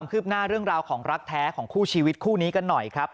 คืบหน้าเรื่องราวของรักแท้ของคู่ชีวิตคู่นี้กันหน่อยครับ